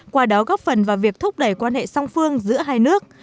qua đó góp phần vào việc thúc đẩy quan hệ song phương giữa hai nước